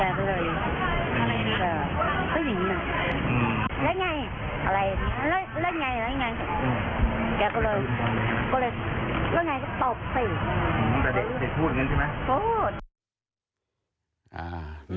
แล้วพี่ผู้หญิงก็เลยอะไรละไง